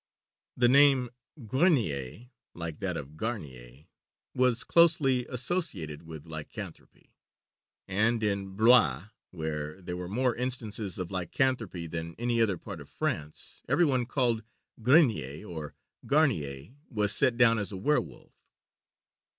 The name Grénier, like that of Garnier, was closely associated with lycanthropy, and in Blois, where there were more instances of lycanthropy than in any other part of France, every one called Grénier or Garnier was set down as a werwolf.